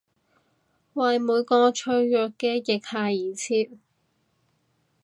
為每個脆弱嘅腋下而設！